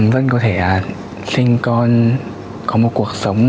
vẫn có thể sinh con có một cuộc sống